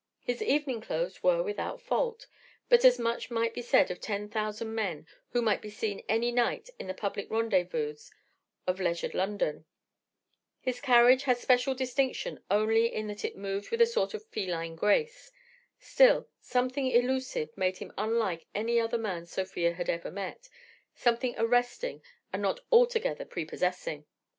His evening clothes were without fault, but as much might be said of ten thousand men who might be seen any night in the public rendezvous of leisured London. His carriage had special distinction only in that he moved with a sort of feline grace. Still, something elusive made him unlike any other man Sofia had ever met, something arresting and not altogether prepossessing.